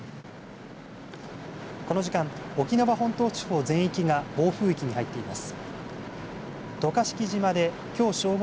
この時間、沖縄本島地方全域が暴風域に入っています。